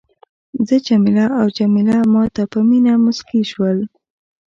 زه جميله او جميله ما ته په مینه مسکي شول.